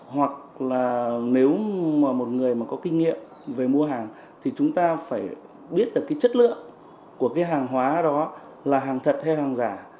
hoặc là nếu mà một người mà có kinh nghiệm về mua hàng thì chúng ta phải biết được cái chất lượng của cái hàng hóa đó là hàng thật hay hàng giả